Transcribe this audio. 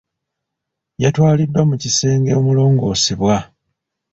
Yatwaliddwa mu kisenge omulongoosebwa.